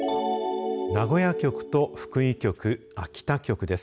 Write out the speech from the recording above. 名古屋局と福井局、秋田局です。